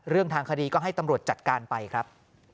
เรื่องทางคดีก็ให้ตำรวจจัดการไปครับ